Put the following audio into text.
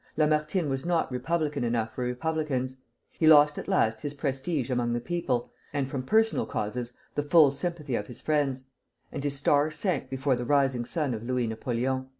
"Lamartine was not republican enough for republicans; he lost at last his prestige among the people, and from personal causes the full sympathy of his friends; and his star sank before the rising sun of Louis Napoleon."